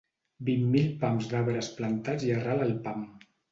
Vint mil pams d'arbres plantats i a ral el pam